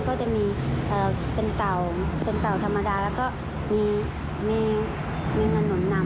ก็จะมีเป็นเต่าธรรมดาและมีเหนิลหนัง